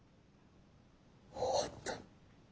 終わった。